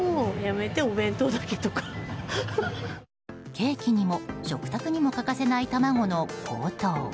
ケーキにも食卓にも欠かせない卵の高騰。